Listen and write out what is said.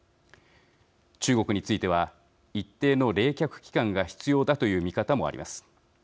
中国については一定の冷却期間が必要だという見方もあります。